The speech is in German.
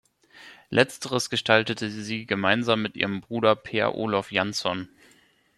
Letzteres gestaltete sie gemeinsam mit ihrem Bruder Per Olov Jansson.